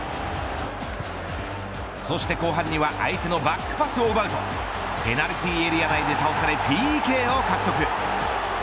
そして後半には相手のバックパスを奪うとペナルティーエリア内で倒されＰＫを獲得。